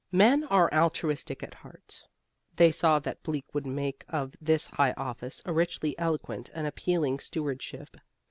Men are altruistic at heart. They saw that Bleak would make of this high office a richly eloquent and appealing stewardship.